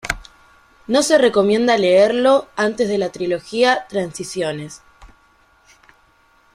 No se recomienda leerlo antes de la trilogía Transiciones.